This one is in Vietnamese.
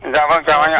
dạ vâng chào anh ạ